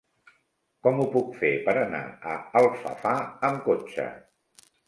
Com ho puc fer per anar a Alfafar amb cotxe?